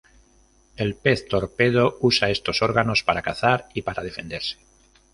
El pez torpedo usa estos órganos para cazar y para defenderse.